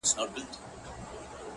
صفت زما مه كوه مړ به مي كړې _